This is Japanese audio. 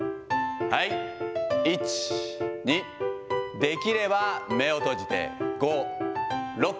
１、２、できれば目を閉じて、５、６。